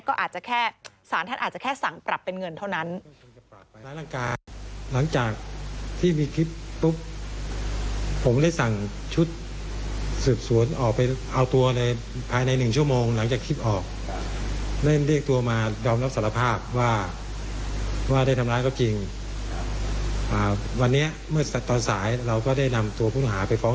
ก็อาจจะแค่สารท่านอาจจะแค่สั่งปรับเป็นเงินเท่านั้น